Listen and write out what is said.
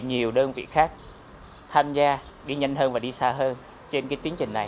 nhiều đơn vị khác tham gia đi nhanh hơn và đi xa hơn trên cái tiến trình này